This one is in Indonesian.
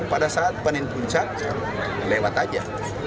pada saat panen puncak lewat aja